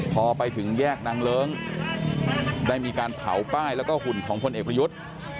พอไปถึงแยกนางเลิ้งได้มีการเผาป้ายแล้วก็หุ่นของพลเอกประยุทธ์